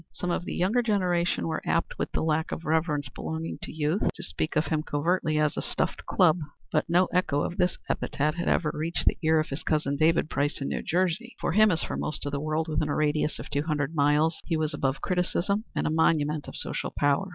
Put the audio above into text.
Some of the younger generation were apt, with the lack of reverence belonging to youth, to speak of him covertly as "a stuffed club," but no echo of this epithet had ever reached the ear of his cousin, David Price, in New Jersey. For him, as for most of the world within a radius of two hundred miles, he was above criticism and a monument of social power.